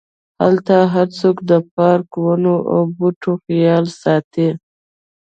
هلته هرڅوک د پارک، ونو او بوټو خیال ساتي.